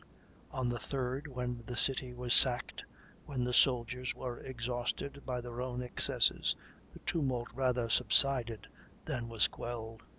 On the third, when the city was sacked, when the soldiers were exhausted by their own excesses, the tumult rather subsided than was quelled."